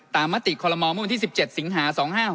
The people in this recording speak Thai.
ตามมาติดคมที่๑๗สิงหา๒๕๖๔